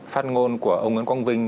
phát ngôn của ông nguyễn quang vinh